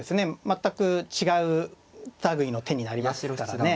全く違う類いの手になりますからね。